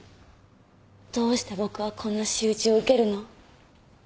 どうして僕はこんな仕打ちを受けるの？